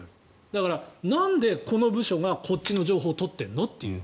だから、なんでこの部署がこっちの情報を取ってるの？という。